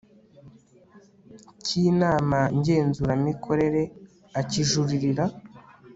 cy' inama ngenzuramikorere akijuririra